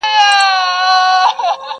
زموږ نصیب به هم په هغه ورځ پخلا سي؛